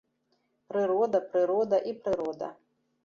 Прырода, прырода і прырода.